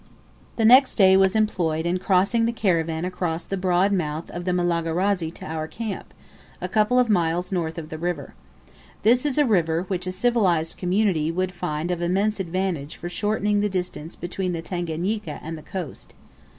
The next day was employed in crossing the caravan across the broad mouth of the Malagarazi to our camp, a couple of miles north of the river. This is a river which a civilised community would find of immense advantage for shortening the distance between the Tanganika and the coast.